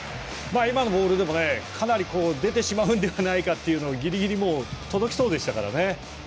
今のボールでもかなり出てしまうんではないかというギリギリ届きそうでしたからね。